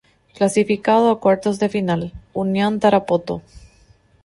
Clasificado a Cuartos de final: Unión Tarapoto.